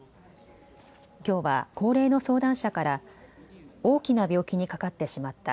きょうは高齢の相談者から大きな病気にかかってしまった。